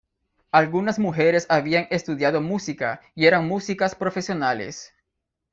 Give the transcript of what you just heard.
Algunas mujeres habían estudiado música y eran músicas profesionales.